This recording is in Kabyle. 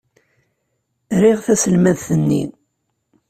Riɣ taselmadt-nni.